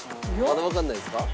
まだわかんないですか？